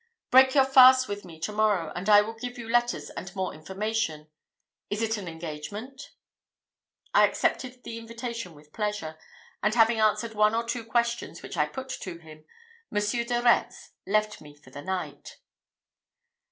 Break your fast with me to morrow, and I will give you letters and more information. Is it an engagement?" I accepted the invitation with pleasure; and having answered one or two questions which I put to him, M. de Retz left me for the night.